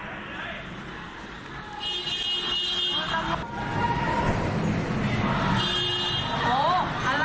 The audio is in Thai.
ต้องหลดมาแล้ว